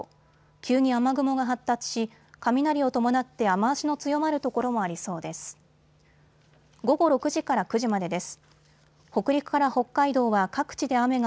急に雨雲が発達し、雷を伴って雨足の強まる所もありそうです。